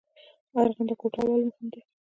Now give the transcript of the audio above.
ارغنده کوتل ولې مهم دی؟